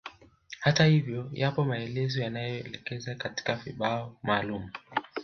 Hata hivyo yapo maelezo yanaoelekeza katika vibao maalumu